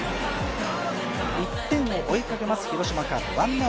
１点を追いかけます広島カープ。